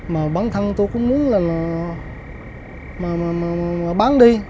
mà bản thân tôi cũng muốn là bán đi